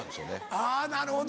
あぁなるほど。